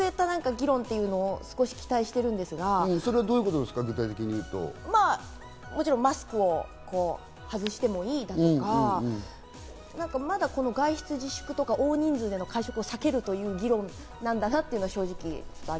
もっと先を見据えた議論というのを少し期待してるんですが、もちろんマスクを外してもいいだとか、まだ外出自粛とか、大人数の会食を避けるという議論なんだなというのが正直。